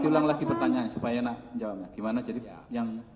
coba ulang lagi pertanyaan supaya enak jawabnya